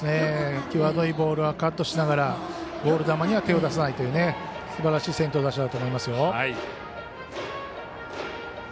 きわどいボールはカットしながらボール球には手を出さないというすばらしい先頭打者だと思います。